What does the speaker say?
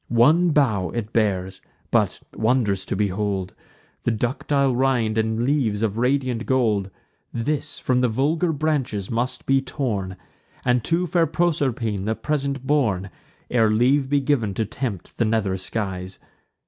One bough it bears; but wondrous to behold! The ductile rind and leaves of radiant gold: This from the vulgar branches must be torn, And to fair Proserpine the present borne, Ere leave be giv'n to tempt the nether skies.